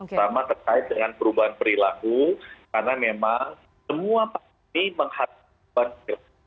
sama terkait dengan perubahan perilaku karena memang semua pandemi menghadapi banjir